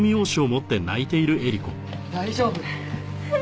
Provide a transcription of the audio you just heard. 大丈夫。